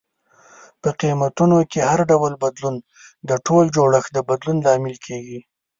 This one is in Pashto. په قیمتونو کې هر ډول بدلون د ټول جوړښت د بدلون لامل کیږي.